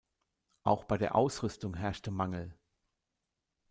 Auch bei der Ausrüstung herrschte Mangel.